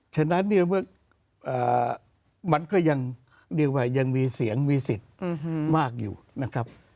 ฉะนั้นมันก็ยังดีกว่ายังมีเสียงมีสิทธิ์มากอยู่นะครับ